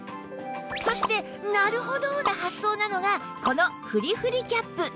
そしてなるほど！な発想なのがこのふりふりキャップ